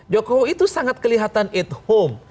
jokowi itu sangat kelihatan at home